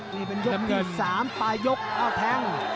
นี่เป็นยกที่๓ปลายยกอ้าวแทง